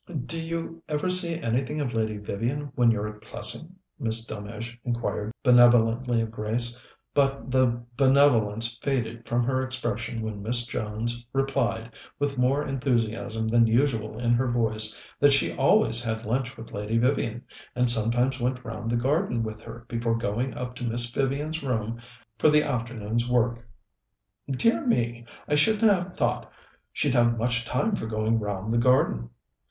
"Do you ever see anything of Lady Vivian when you're at Plessing?" Miss Delmege inquired benevolently of Grace, but the benevolence faded from her expression when Miss Jones replied, with more enthusiasm than usual in her voice, that she always had lunch with Lady Vivian, and sometimes went round the garden with her before going up to Miss Vivian's room for the afternoon's work. "Dear me! I shouldn't have thought she'd have much time for going round the garden.